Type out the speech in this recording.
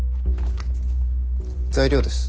材料です。